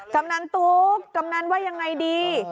กำนันตุ๊กกำนันว่ายังไงดี